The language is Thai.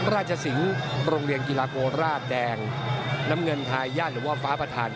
สิงห์โรงเรียนกีฬาโกราชแดงน้ำเงินทายาทหรือว่าฟ้าประธาน